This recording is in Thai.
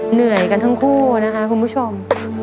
เหนื่อยกันทั้งคู่นะคะคุณผู้ชม